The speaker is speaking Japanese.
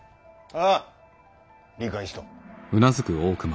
あぁ理解しとっ。